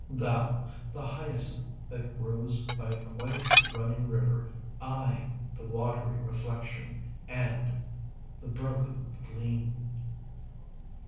Thou, the hyacinth that grows 5 By a quiet running river; I, the watery reflection And the broken gleam.